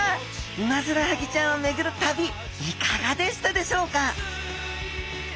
ウマヅラハギちゃんをめぐるたびいかがでしたでしょうか？